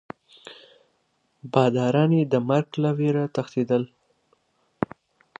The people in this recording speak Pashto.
باداران یې د مرګ له ویرې تښتېدل.